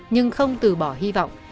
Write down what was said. nhưng không từ bỏ hy vọng